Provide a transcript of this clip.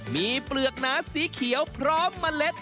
มีเปลือกหนาสีเขียวพร้อมเมล็ด